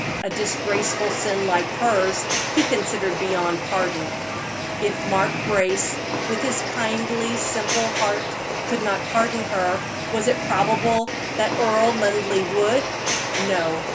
A disgraceful sin like hers he considered beyond pardon. If Mark Brace, with his kindly, simple heart, could not pardon her, was it probable that Earl Linleigh would? No!